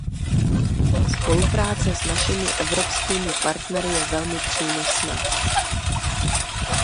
Spolupráce s našimi evropskými partnery je velmi přínosná.